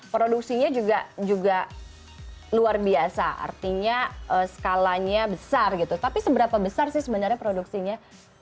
produksinya juga luar biasa artinya skalanya besar gitu tapi seberapa besar sih sebenarnya produksinya